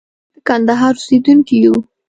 موږ د کندهار اوسېدونکي يو.